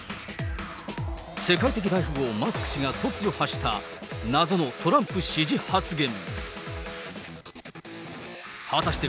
世界的大富豪、マスク氏が突如発した、謎のトランプ支持発言。